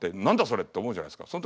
それって思うじゃないですか。